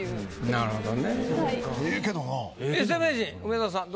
なるほど。